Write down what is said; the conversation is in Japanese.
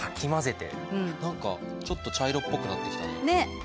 何かちょっと茶色っぽくなってきたね。ね。